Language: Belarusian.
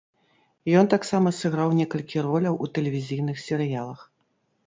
Ён таксама сыграў некалькі роляў у тэлевізійных серыялах.